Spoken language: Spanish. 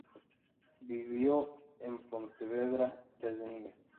Vivió en Pontevedra desde niño.